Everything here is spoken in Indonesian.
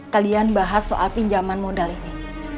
kalian bahas soal pinjaman modal ini